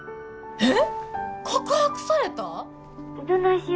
えっ！